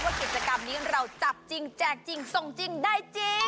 กิจกรรมนี้เราจับจริงแจกจริงส่งจริงได้จริง